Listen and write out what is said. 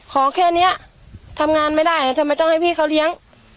ขอแค่นี้ทำงานไม่ได้ทำไมต้องให้พี่เขาเลี้ยง